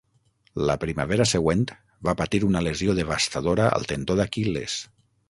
La primavera següent, va patir una lesió devastadora al tendó d'Aquil·les.